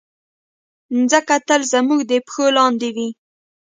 مځکه تل زموږ د پښو لاندې وي.